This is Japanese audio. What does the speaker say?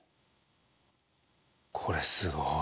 これすごい。